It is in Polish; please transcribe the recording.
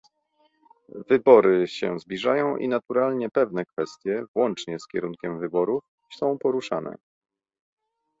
Wybory się zbliżają i naturalnie pewne kwestie, włącznie z kierunkiem wyborów, są poruszane